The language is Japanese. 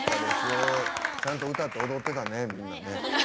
ちゃんと歌って踊ってたね、みんな。